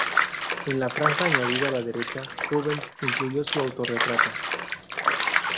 En la franja añadida a la derecha Rubens incluyó su autorretrato.